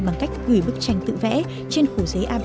bằng cách gửi bức tranh tự vẽ trên khổ giấy